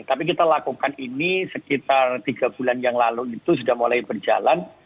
tapi kita lakukan ini sekitar tiga bulan yang lalu itu sudah mulai berjalan